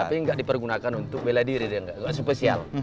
tapi nggak dipergunakan untuk bela diri dia nggak spesial